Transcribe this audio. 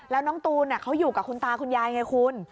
แล้วน้องตูนเขาอยู่กับคุณตาคุณยายไงคุณ